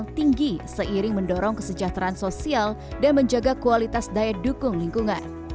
yang tinggi seiring mendorong kesejahteraan sosial dan menjaga kualitas daya dukung lingkungan